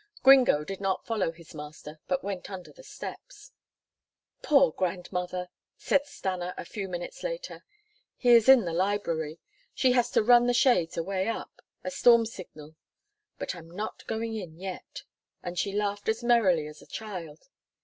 Gringo did not follow his master, but went under the steps. "Poor Grandmother," said Stanna a few minutes later. "He is in the library. She has run the shade away up a storm signal. But I'm not going in yet," and she laughed as merrily as a child.